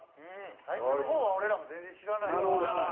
最初の方は俺らも全然知らないです。